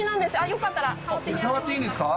よかったら触ってみられますか？